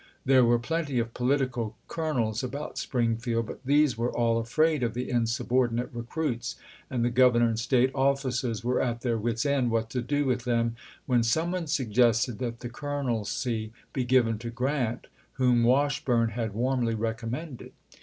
There were plenty of " political colo nels" about Springfield, but these were all afraid of the insubordinate recruits, and the Governor and State officers were at their wits' end what to do with them, when some one suggested that the colonelcy be given to Grant, whom Washburne had warmly recommended.